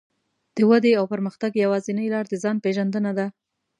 د ودې او پرمختګ يوازينۍ لار د ځان پېژندنه ده.